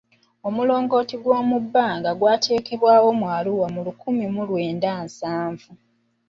Omulongooti gw'omubbanga gwateekebwawo mu Arua mu lukumi mu lwenda nsavu.